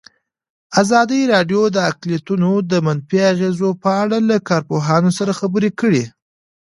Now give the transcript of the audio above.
ازادي راډیو د اقلیتونه د منفي اغېزو په اړه له کارپوهانو سره خبرې کړي.